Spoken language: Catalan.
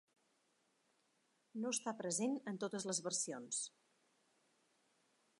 No està present en totes les versions.